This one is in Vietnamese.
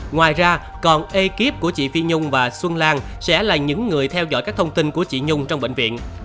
ngoài ra còn ekip của chị phi nhung và xuân lan sẽ là những người theo dõi các thông tin của chị nhung trong bệnh viện